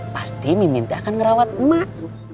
pasti miminti akan ngerawat emak